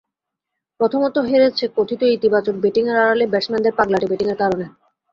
প্রথমত, হেরেছে কথিত ইতিবাচক ব্যাটিংয়ের আড়ালে ব্যাটসম্যানদের পাগলাটে ব্যাটিংয়ের কারণে।